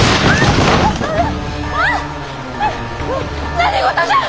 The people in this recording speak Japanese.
何事じゃ！